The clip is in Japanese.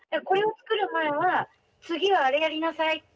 これを作る前は次はあれやりなさい